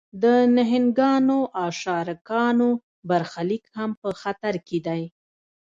د نهنګانو او شارکانو برخلیک هم په خطر کې دی.